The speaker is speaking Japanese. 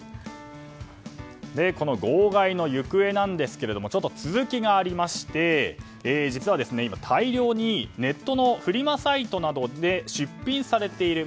この号外の行方なんですが続きがありまして実は、今、大量にネットのフリマサイトなどで出品されている。